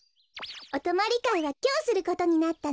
おとまりかいはきょうすることになったの。